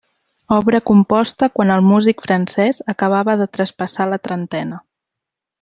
Obra composta quan el músic francès acabava de traspassar la trentena.